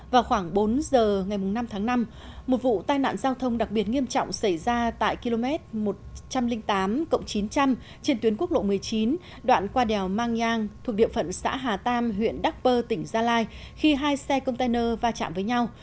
vào khoảng bốn giờ ngày năm tháng năm một vụ tai nạn giao thông đặc biệt nghiêm trọng xảy ra tại km một trăm linh tám chín trăm linh trên tuyến quốc lộ một mươi chín đoạn qua đèo mang nhang thuộc địa phận xã hà tam huyện đắk bơ tỉnh gia lai khi hai xe container va chạm với nhau